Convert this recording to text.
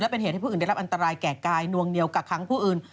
เป็นเหตุให้ผู้อื่นได้รับอันตรายแก่กายนวงเหนียวกักค้างผู้อื่น